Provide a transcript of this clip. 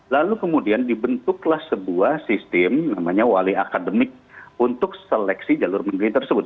lalu kemudian dibentuklah sebuah sistem namanya wali akademik untuk seleksi jalur negeri tersebut